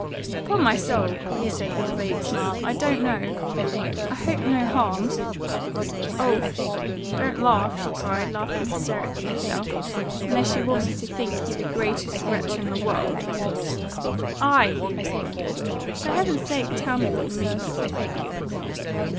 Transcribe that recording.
"Upon my soul," he said, with a vague smile, "I don't know. I hope no harm?" "Oh, don't laugh!" she cried, laughing hysterically herself. "Unless you want me to think you the greatest wretch in the world!" "I?" he responded. "For heaven's sake tell me what you mean!"